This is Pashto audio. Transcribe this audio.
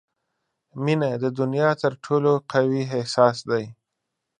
• مینه د دنیا تر ټولو قوي احساس دی.